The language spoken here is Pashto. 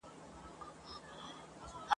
چي پر چا غمونه نه وي ورغلي ..